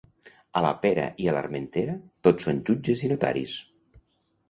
A la Pera i a l'Armentera tot són jutges i notaris.